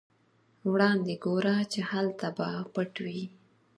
وړاندې ګوره چې هلته به پټ وي.